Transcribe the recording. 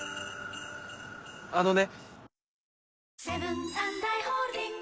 あのね。